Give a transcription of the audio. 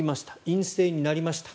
陰性になりました。